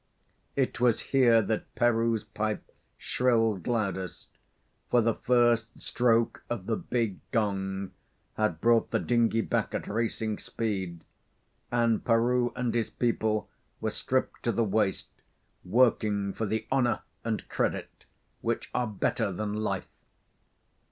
It was here that Peroo's pipe shrilled loudest, for the first stroke of the big gong had brought the dinghy back at racing speed, and Peroo and his people were stripped to the waist, working for the honour and credit which are better than life.